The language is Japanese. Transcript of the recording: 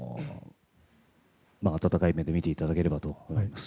温かい目で見ていただければと思います。